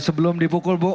sebelum dipukul bu